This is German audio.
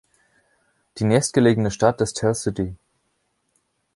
Die nächstgelegene Stadt ist Tell City.